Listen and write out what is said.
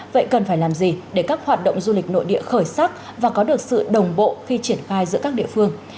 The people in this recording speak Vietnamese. vậy cần phải làm gì để các hoạt động du lịch nội địa khởi sắc và có được sự đồng bộ khi triển khai giữa các địa phương